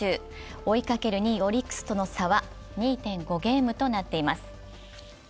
追いかける２位・オリックスとの差は２．５ゲームとなっています。